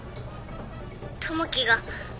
☎友樹が。